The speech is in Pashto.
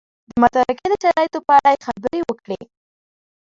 د متارکې د شرایطو په اړه یې خبرې وکړې.